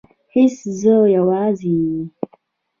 هیڅ زه یوازې